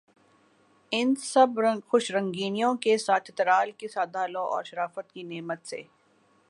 ان سب خوش رنگینیوں کے ساتھ چترال کے سادہ لوح اور شرافت کی نعمت سے